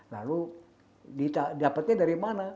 lalu dapatnya dari mana